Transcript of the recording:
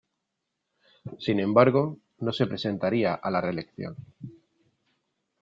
Sin embargo, no se presentaría a la reelección.